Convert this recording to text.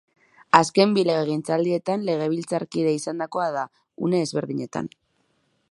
Azken bi legegintzaldietan legebiltzarkide izandakoa da, une ezberdinetan.